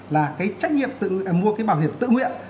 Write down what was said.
là cái trách nhiệm mua cái bảo hiểm tự nguyện